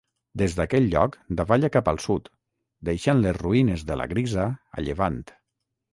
Des d'aquell lloc davalla cap al sud, deixant les ruïnes de la Grisa a llevant.